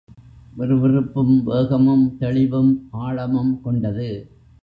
விறுவிறுப்பும், வேகமும், தெளிவும், ஆழமும் கொண்டது.